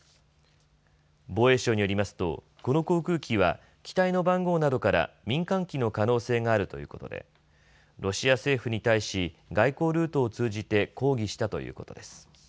防衛省によりますとこの航空機は機体の番号などから民間機の可能性があるということでロシア政府に対し外交ルートを通じて抗議したということです。